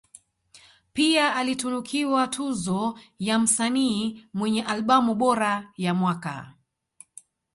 Pia alitunukiwa tuzo ya msanii mwenye albamu bora ya mwaka